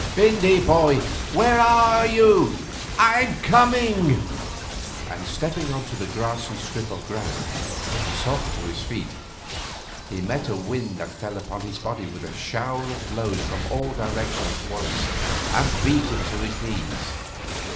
'Bindy, boy, where are you? I'm coming ...' and stepping on to the grassy strip of ground, soft to his feet, he met a wind that fell upon his body with a shower of blows from all directions at once and beat him to his knees.